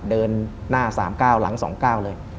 เดินหน้า๓เก้าหลัง๒เก้าเลย